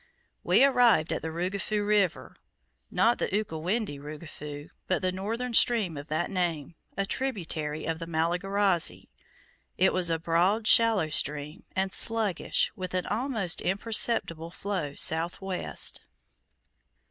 We arrived at the Rugufu River not the Ukawendi Rugufu, but the northern stream of that name, a tributary of the Malagarazi. It was a broad shallow stream, and sluggish, with an almost imperceptible flow south west.